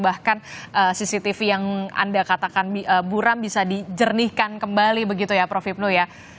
bahkan cctv yang anda katakan buram bisa dijernihkan kembali begitu ya prof hipnu ya